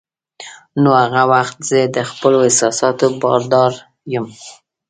نو هغه وخت زه د خپلو احساساتو بادار یم.